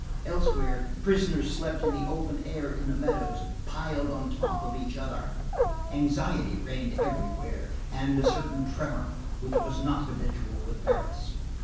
Elsewhere prisoners slept in the open air in the meadows, piled on top of each other. Anxiety reigned everywhere, and a certain tremor which was not habitual with Paris.